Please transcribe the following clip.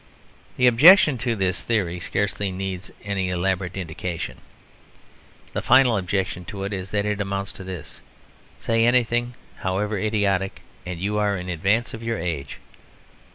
The objections to this theory scarcely need any elaborate indication. The final objection to it is that it amounts to this: say anything, however idiotic, and you are in advance of your age.